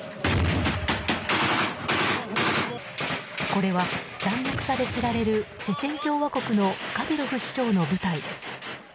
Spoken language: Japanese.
これは残虐さで知られるチェチェン共和国のカディロフ首長の部隊です。